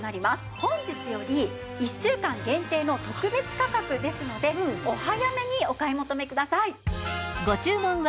本日より１週間限定の特別価格ですのでお早めにお買い求めください。